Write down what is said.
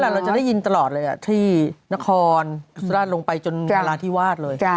เราจะได้ยินตลอดเลยที่นครสุราชลงไปจนนราธิวาสเลย